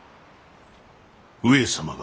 上様が。